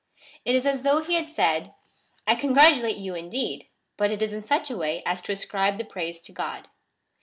It is as though he had said —" I congratulate you indeed, but it is in such a way as to ascribe the praise to God."